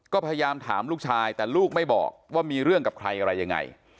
ก็พยายามถามลูกชายแต่ลูกไม่บอกว่ามีเรื่องกับใครอะไรยังไง